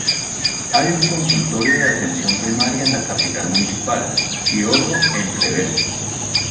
Hay un consultorio de atención primaria en la capital municipal y otro en Trevejo.